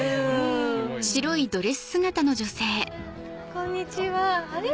こんにちはあれ？